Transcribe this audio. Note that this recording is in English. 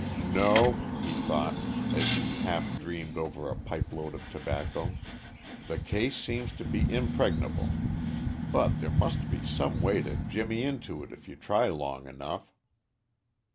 "No," he thought, as he half dreamed over a pipe load of tobacco, "the case seems to be impregnable. But there must be some way to jimmy into it if you try long enough."